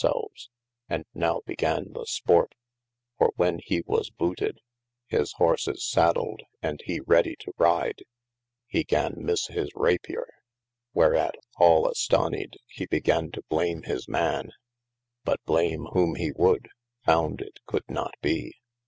selves & nowe began the sport, for when he was booted, his horses sadled, and he ready to ride, he gari misse his Rapier, wherat al astonied he began to blame his man, but blame whom he would, found it could not be.